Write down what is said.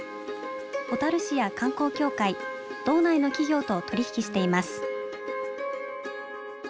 小樽市や観光協会道内の企業と取り引きしています。